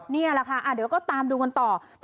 นี่แหละค่ะเดี๋ยวก็ตามดูกันต่อ